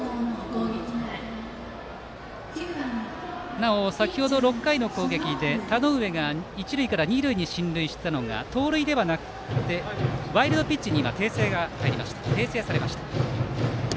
なお、先程６回の攻撃で田上が一塁から二塁に進塁したのが盗塁ではなくてワイルドピッチに訂正されました。